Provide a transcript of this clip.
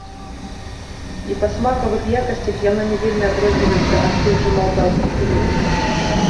І па смакавых якасцях яно не вельмі адрозніваецца ад тых жа малдаўскіх він.